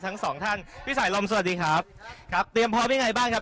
ทั้งสองท่านพี่สายลมสวัสดีครับครับเตรียมพร้อมยังไงบ้างครับ